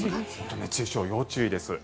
熱中症に要注意です。